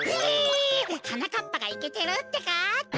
はなかっぱがイケてるってか？